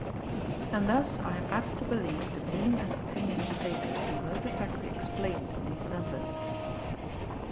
And thus I am apt to believe the meaning and opinion of Plato to be most exactly ex plained in these numbers.